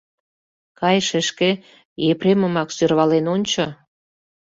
— Кай, шешке, Епремымак сӧрвален ончо.